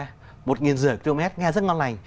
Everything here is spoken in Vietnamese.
một nghìn năm trăm linh km nghe rất ngon lành